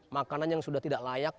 makanan yang sudah tidak layak